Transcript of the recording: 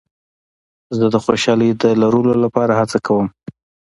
زه د خوشحالۍ د لرلو لپاره هڅه کوم.